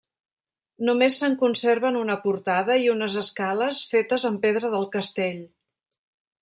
Només se'n conserven una portada i unes escales fetes amb pedra del castell.